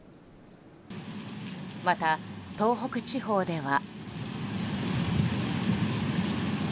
また、東北地方では。